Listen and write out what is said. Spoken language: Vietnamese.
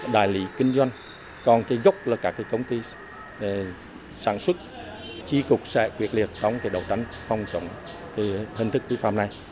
đại lý kinh doanh còn cái gốc là các cái công ty sản xuất chỉ cục sẽ quyết liệt không thể đổ tránh phong trọng hình thức khí phẩm này